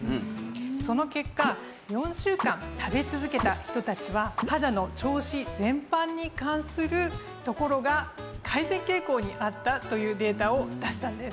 その結果４週間食べ続けた人たちは肌の調子全般に関するところが改善傾向にあったというデータを出したんです。